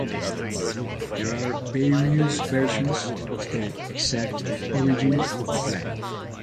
There are various versions of the exact origin of the flag.